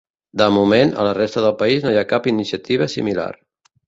De moment, a la resta del país no hi ha cap iniciativa similar.